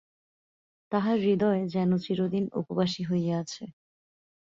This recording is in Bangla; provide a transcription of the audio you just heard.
তাহার হৃদয় যেন চিরদিন উপবাসী হইয়া আছে।